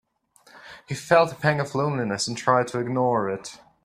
He felt a pang of loneliness and tried to ignore it.